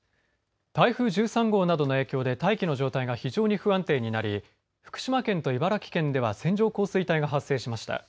台風１３号などの影響で大気の状態が非常に不安定になり福島県と茨城県では線状降水帯が発生しました。